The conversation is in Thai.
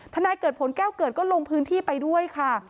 นายเกิดผลแก้วเกิดก็ลงพื้นที่ไปด้วยค่ะ